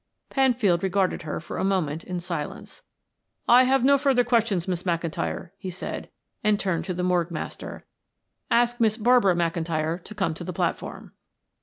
Penfield regarded her for a moment in silence. "I have no further questions, Miss McIntyre," he said, and turned to the morgue master. "Ask Miss Barbara McIntyre to come to the platform."